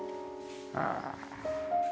ああ。